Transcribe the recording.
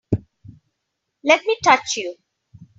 Let me touch you!